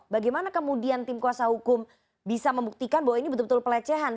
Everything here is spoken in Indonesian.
bagaimana kemudian tim kuasa hukum bisa membuktikan bahwa ini betul betul pelecehan